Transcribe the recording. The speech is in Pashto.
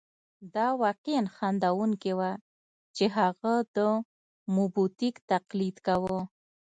دا واقعاً خندوونکې وه چې هغه د موبوتیک تقلید کاوه.